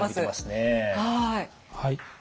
はい。